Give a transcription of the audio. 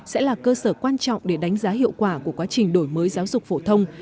sẽ là cơ sở quan trọng để đánh giá hiệu quả của quá trình đổi mới giáo dục phổ thông